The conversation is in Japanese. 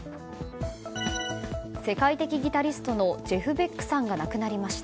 世界的ギタリストのジェフ・ベックさんが亡くなりました。